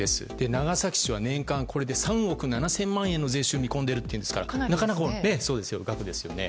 長崎市は年間３億７０００万円の税収を見込んでいるといいますからなかなかの額ですよね。